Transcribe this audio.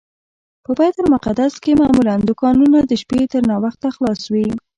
په بیت المقدس کې معمولا دوکانونه د شپې تر ناوخته خلاص وي.